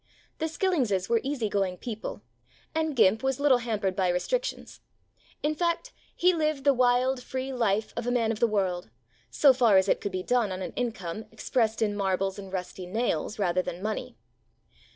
The Skillingses were easy going people, and Gimp was little hampered by restric tions; in fact, he lived the wild, free life of a man of the world, so far as it could be done on an income exprest in marbles and rusty nails, rather than money.